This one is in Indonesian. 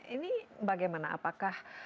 ini bagaimana apakah